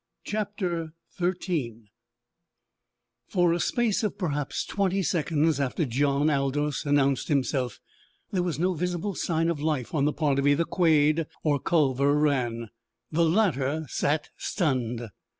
CHAPTER XIII For a space of perhaps twenty seconds after John Aldous announced himself there was no visible sign of life on the part of either Quade or Culver Rann. The latter sat stunned.